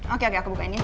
oke oke aku bukain ya